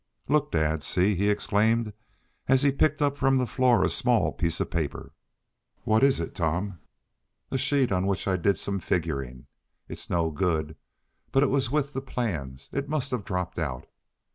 "Look, dad! See!" he exclaimed, as he picked up from the floor a small piece of paper. "What is it, Tom?" "A sheet on which I did some figuring. It is no good, but it was in with the plans. It must have dropped out."